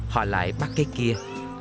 họ lại bắt cái kia